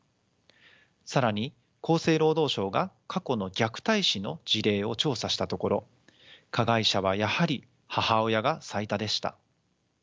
更に厚生労働省が過去の虐待死の事例を調査したところ加害者はやはり母親が最多でした。